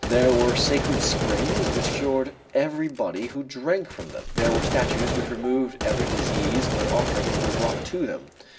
There were sacred springs which cured everybody who drank from them, there were statues which removed every disease when offerings were brought to them.